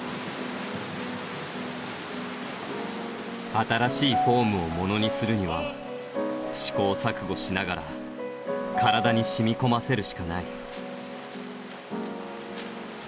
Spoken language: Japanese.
新しいフォームをものにするには試行錯誤しながら体にしみこませるしかない。